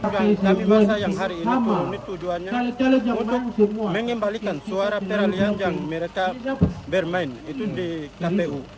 kami bangsa yang hari ini tujuannya untuk mengembalikan suara peralian yang mereka bermain itu di kpu